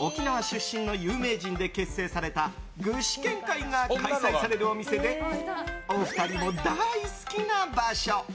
沖縄出身の有名人で結成された具志堅会が開催されるお店でお二人も大好きな場所。